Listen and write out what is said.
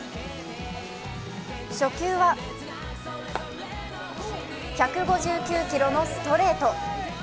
初球は１５９キロのストレート。